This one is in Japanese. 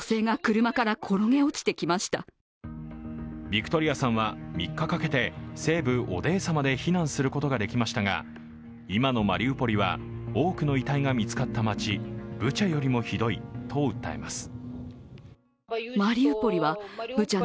ビクトリアさんは３日かけて西部オデーサまで避難することができましたが今のマリウポリは多くの遺体が見つかった街、ブチャよりもひどいと訴えます。